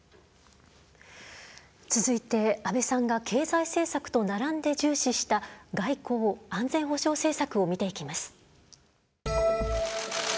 続いて、安倍さんが経済政策と並んで重視した外交、安全保障政策を見ていきます。